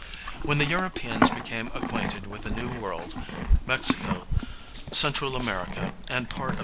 When the Europeans became acquainted with the New World, Mexico, Central America, and part of S.